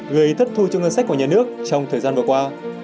gây thất thu cho ngân sách của nhà nước trong thời gian vừa qua